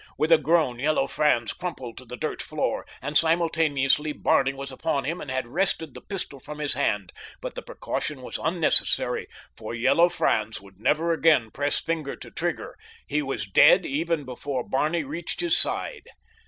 With a groan Yellow Franz crumpled to the dirt floor, and simultaneously Barney was upon him and had wrested the pistol from his hand; but the precaution was unnecessary for Yellow Franz would never again press finger to trigger. He was dead even before Barney reached his side.